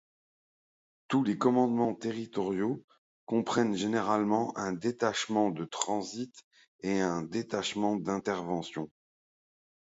Tous les commandements territoriaux comprennent généralement un détachement de transit, et un détachement d'intervention.